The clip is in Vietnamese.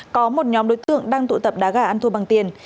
có một nhóm đối tượng đang tụ tập đá gà ăn thua bằng tiền